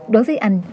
đối với anh